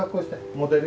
モデル。